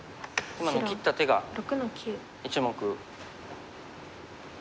今の切った手が１目。